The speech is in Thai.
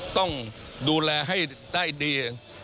ต้องดูแลให้ได้ดี